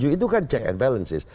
itu kan check and balances